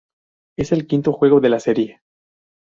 Es el quinto juego de la serie.